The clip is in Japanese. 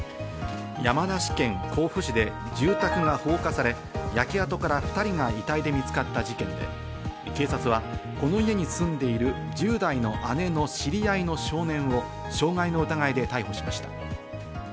山梨県甲府市で住宅が放火され、焼け跡から２人が遺体で見つかった事件で、警察はこの家に住んでいる１０代の姉の知り合いの少年を傷害の疑いで逮捕しました。